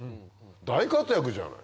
大活躍じゃない。